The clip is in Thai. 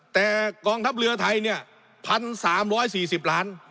แต่กองทัพเรือไทยเนี่ย๑๓๔๐ล้าน